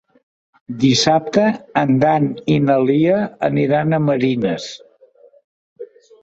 Dissabte en Dan i na Lia aniran a Marines.